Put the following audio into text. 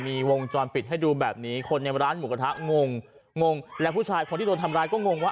มีวงจรปิดให้ดูแบบนี้คนในร้านหมูกระทะงงงงและผู้ชายคนที่โดนทำร้ายก็งงว่า